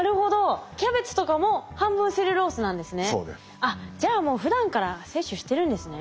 あっじゃあもうふだんから摂取してるんですね。